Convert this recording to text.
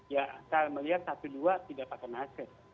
ya saya melihat satu dua tidak pakai masker